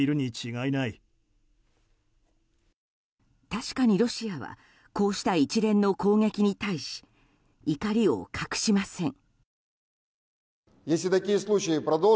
確かに、ロシアはこうした一連の攻撃に対し怒りを隠しません。